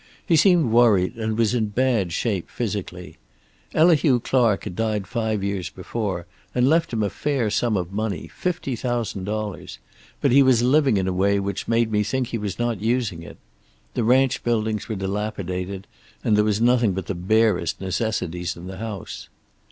He seemed worried and was in bad shape physically. Elihu Clark had died five years before, and left him a fair sum of money, fifty thousand dollars, but he was living in a way which made me think he was not using it. The ranch buildings were dilapidated, and there was nothing but the barest necessities in the house.